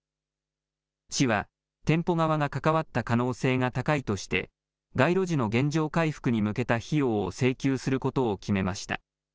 市は店舗側が関わった可能性が高いとして街路樹の原状回復に向けた費用を請求することを決めました。